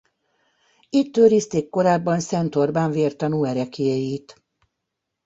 Itt őrizték korábban Szent Orbán vértanú ereklyéit.